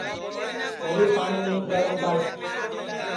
چھوری پاٹؔی نیم گرم کر